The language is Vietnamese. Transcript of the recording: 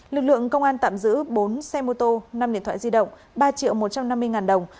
lực lượng công an tạm giữ bốn xe mô tô năm điện thoại di động ba triệu một trăm năm mươi ngàn đồng